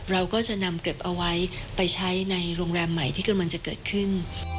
เราก็จะนำเก็บเอาไว้ไปใช้ในโรงแรมใหม่ที่กำลังจะเกิดขึ้น